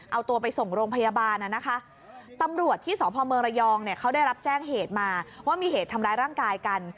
เอาตัวไปส่งโรงพยาบาลนะคะตำรวจที่สพเมืองระยองเนี่ยเขาได้รับแจ้งเหตุมาว่ามีเหตุทำร้ายร่างกายกัน